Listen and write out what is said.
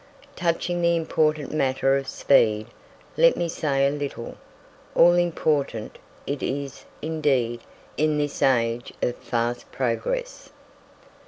Touching the important matter of speed, let me say a little. All important it is, indeed, in this age of fast progress.